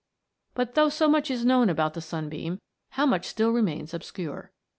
But though so much is known about the sunbeam, how much still remains obscure